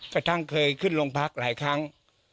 กระทั่งเคยขึ้นโรงพักหลายครั้ง